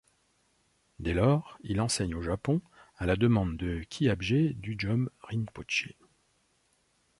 Dès lors, il enseigne au Japon à la demande de Kyabjé Dudjom Rinpoché.